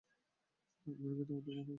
ওদেরকে ওদের মতো ছেড়ে দাও।